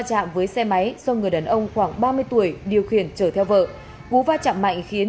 chạm với xe máy do người đàn ông khoảng ba mươi tuổi điều khiển chở theo vợ cú va chạm mạnh khiến